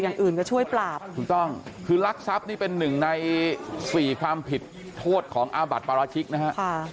อย่างอื่นก็ช่วยปราบถูกต้องคือรักทรัพย์นี่เป็นหนึ่งในสี่ความผิดโทษของอาบัติปราชิกนะฮะ